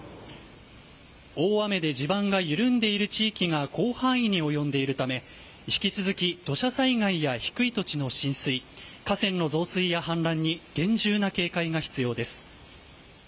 大雨で地盤が緩んでいる地域が広範囲に及んでいるため引き続き土砂災害や低い土地の浸水河川の増水やはん濫に厳重な警戒が必要です。